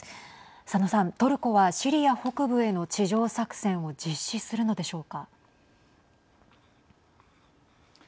佐野さん、トルコはシリア北部への地上作戦を実施するのでしょうか。